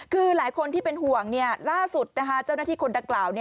คือหลายคนที่เป็นห่วงล่าสุดเจ้าหน้าที่คนดังกล่าว